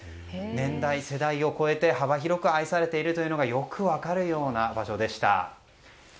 年代、世代を超えて幅広く愛されているということがよく分かるような場所でした。